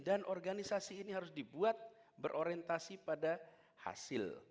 dan organisasi ini harus dibuat berorientasi pada hasil